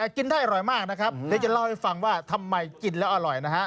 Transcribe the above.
กินได้อร่อยมากนะครับเดี๋ยวจะเล่าให้ฟังว่าทำไมกินแล้วอร่อยนะฮะ